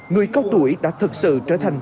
người cao tuổi đã thật sự trở thành